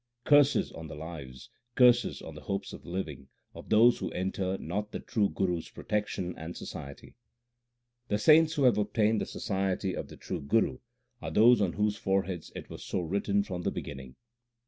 Curses on the lives, curses on the hopes of living, of those who enter not the true Guru s protection and society ! l The saints who have obtained the society of the true Guru are those on whose foreheads it was so written from the beginning.